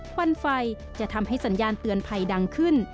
ควันไฟจะทำให้สัญญาณเตือนภัยดังขึ้น